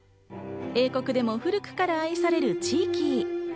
英国でも古くから愛されるチーキー。